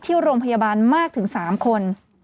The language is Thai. ที่โรงพยาบาลมากถึง๓คน